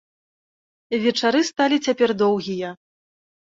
Вечары сталі цяпер доўгія.